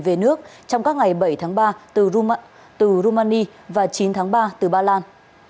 về nước trong các ngày bảy tháng ba từ rumani và chín tháng ba từ ba lan